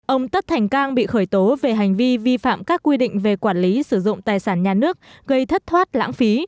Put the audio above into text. ông tất thành cang bị khởi tố về hành vi vi phạm các quy định về quản lý sử dụng tài sản nhà nước gây thất thoát lãng phí